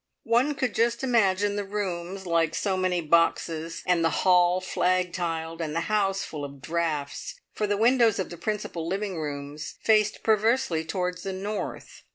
One could just imagine the rooms, like so many boxes, and the hall flag tiled, and the house full of draughts, for the windows of the principal living rooms faced perversely towards the north.